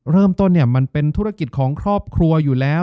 เริ่มต้นมันเป็นธุรกิจของครอบครัวอยู่แล้ว